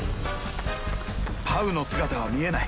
パウの姿は見えない。